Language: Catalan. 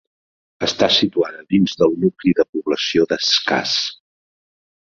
Està situada dins del nucli de població d'Escàs.